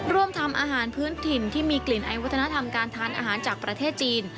ทำอาหารพื้นถิ่นที่มีกลิ่นไอวัฒนธรรมการทานอาหารจากประเทศจีน